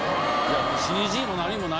ＣＧも何もないから。